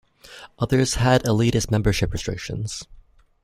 Others had elitist membership restrictions.